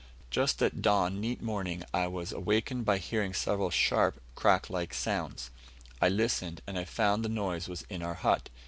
Just at dawn neat morning I was awakened by hearing several sharp, crack like sounds. I listened, and I found the noise was in our hut.